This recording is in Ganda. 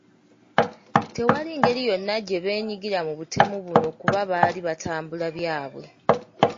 Tewali ngeri yonna gye beenyigira mu butemu buno kuba baali batambula byabwe.